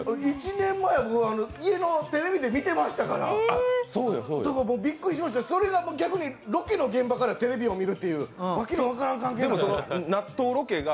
１年前、家のテレビで見てましたから、だからびっくりしましたよ、ロケの現場からテレビを見るというわけの分からん関係が。